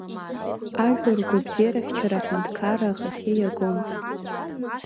Ажәлар ргәабзиарахьчара аҳәынҭқарра ахахьы иагон.